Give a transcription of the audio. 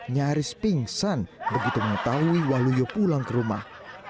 nyaris pingsan begitu mengetahui waluyo pulang ke rumah